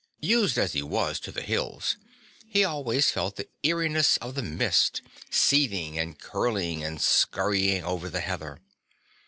Used as he was to the hills, he always felt the eeriness of the mist seething and curling and scurrying over the heather.